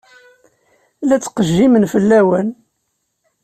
La ttqejjimen fell-awen.